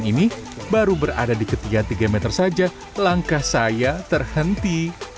pohon yang ini baru berada di ketiga tiga meter saja langkah saya terhenti